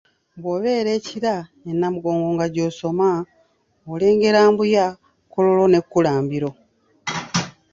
"Bw’obeera e Kira e Namugongo nga gy’osoma, olengera Mbuya, Kololo ne Kkulambiro."